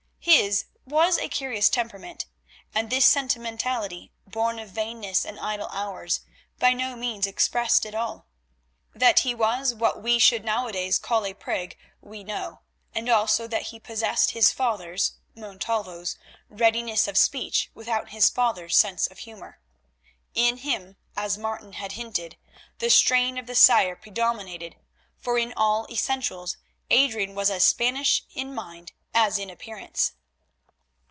His was a curious temperament, and this sentimentality, born of vainness and idle hours, by no means expressed it all. That he was what we should nowadays call a prig we know, and also that he possessed his father's, Montalvo's, readiness of speech without his father's sense of humour. In him, as Martin had hinted, the strain of the sire predominated, for in all essentials Adrian was as Spanish in mind as in appearance.